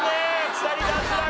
２人脱落！